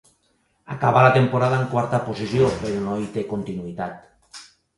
Acaba la temporada en quarta posició, però no hi té continuïtat.